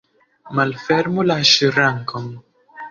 Malfermu la ŝrankon!